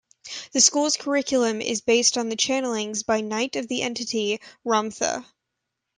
The school's curriculum is based on the channelings by Knight of the entity Ramtha.